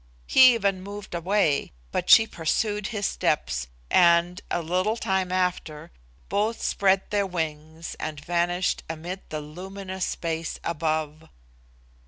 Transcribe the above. He even moved away, but she pursued his steps, and, a little time after, both spread their wings and vanished amid the luminous space above.